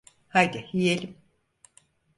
Haydi yiyelim.